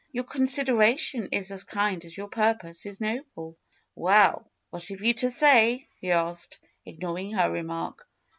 ^^Your consideration is as kind as your purpose is noble." ^^Well! What have you to say?" he asked, ignoring her remark.